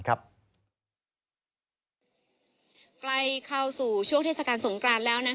ใกล้เข้าสู่ช่วงเทศกาลสงกรานแล้ว